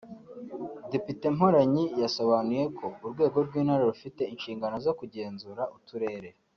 Depite Mporanyi yasobanuye ko urwego rw’intara rufite inshingano zo kugenzura uturere